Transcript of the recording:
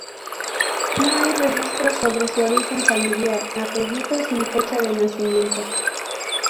No hay registros sobre su origen familiar, apellidos, ni fecha de nacimiento.